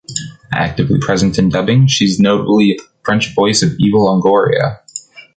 Actively present in dubbing, she’s notably the French voice of Eva Longoria.